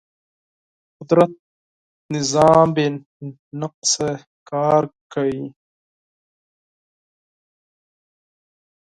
د قدرت نظام بې نقصه کار کوي.